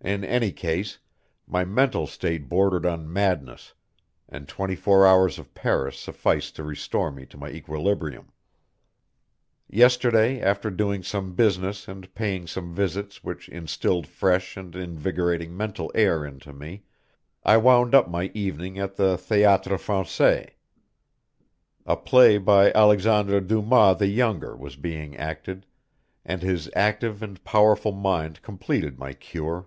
In any case, my mental state bordered on madness, and twenty four hours of Paris sufficed to restore me to my equilibrium. Yesterday after doing some business and paying some visits which instilled fresh and invigorating mental air into me, I wound up my evening at the Théâtre Français. A play by Alexandre Dumas the Younger was being acted, and his active and powerful mind completed my cure.